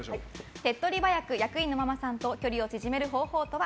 手っ取り早く役員のママさんと距離を縮める方法とは？